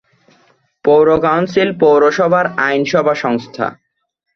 পৌর কাউন্সিল পৌরসভার আইনসভা সংস্থা।